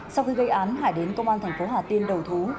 sau khi gây án hải đến công an thành phố hà tiên đầu thú